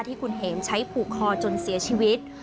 ที่คุณเห็มใช้ผูกคอจนเสียชีวิต